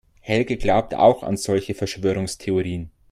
Helge glaubt auch an solche Verschwörungstheorien.